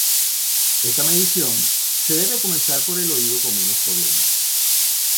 Esta medición se debe comenzar por el oído con menos problemas.